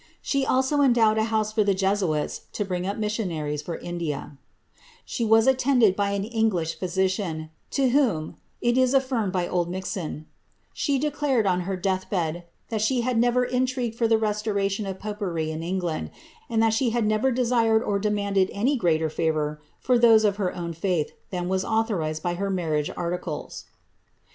Shi also endowed a house for the Jesuits to bring up missionaries for Indik' She was attended by an English physician, ^ to whom,^^ it is affinnei by Oldmizon, she declared, on her death bed, that she had never is trigued for the restoration of popery in England, and that she had nertf desired or demanded any greater favour for those of her own kith thH was authorized by her marriage articles.'